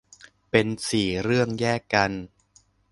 เป็นสี่เรื่องแยกกัน